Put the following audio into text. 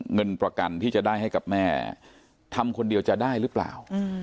เงินประกันที่จะได้ให้กับแม่ทำคนเดียวจะได้หรือเปล่า